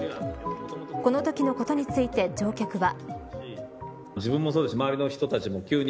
このときのことについて乗客は。